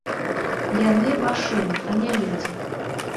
Яны, машыны, а не людзі.